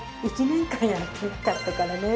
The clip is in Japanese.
１年間やってなかったからね。